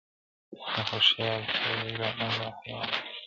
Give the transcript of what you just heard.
دا هوښیار چي دی له نورو حیوانانو-